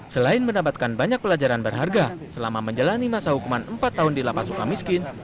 selain mendapatkan banyak pelajaran berharga selama menjalani masa hukuman empat tahun di lapas suka miskin